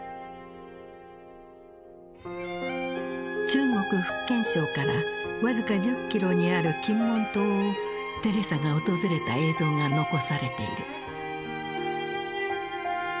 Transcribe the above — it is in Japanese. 中国・福建省から僅か１０キロにある金門島をテレサが訪れた映像が残されている。